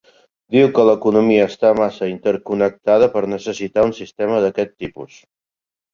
Diu que l'economia està massa interconnectada per necessitar un sistema d'aquest tipus.